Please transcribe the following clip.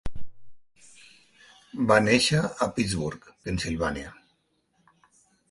Va néixer a Pittsburgh, Pennsilvània.